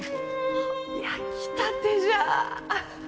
あ焼きたてじゃ！